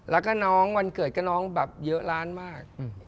และก็วันเกิดน้องอยู่แบบเยอะล้านมาก